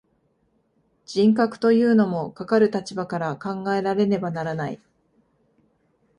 人格というものも、かかる立場から考えられねばならない。